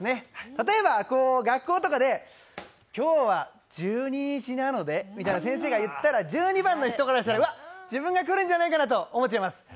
例えば学校とかで、今日は１２日なのでみたいに先生が言ったら１２番の人からしたらうわっ、自分が来るんじゃないかと思いますよね。